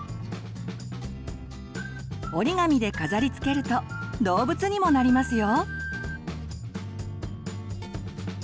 折り紙で飾りつけると動物にもなりますよ。